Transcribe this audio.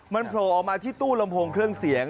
มันโผล่ออกมาที่ตู้ลำโพงเครื่องเสียง